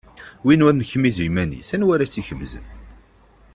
Win ur nekmiz i yiman-is, anwa ara as-ikemzen.